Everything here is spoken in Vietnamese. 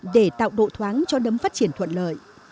để tạo độ thoáng cho đấm phát triển thuận lợi